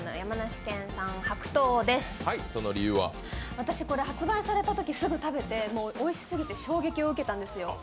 私、これ発売されたときすぐ食べて、おいしすぎて衝撃を受けたんですよ。